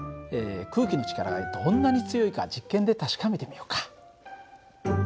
空気の力がどんなに強いか実験で確かめてみようか。